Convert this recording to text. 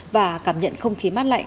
và cảm nhận không khí mát lạnh